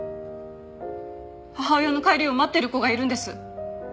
母親の帰りを待ってる子がいるんです！